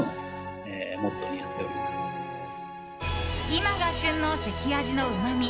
今が旬の関あじのうまみ。